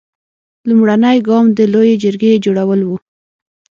لومړنی ګام د لویې جرګې جوړول و.